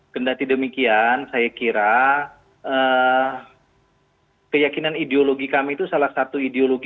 kendati demikian saya kira keyakinan ideologi kami itu salah satu ideologi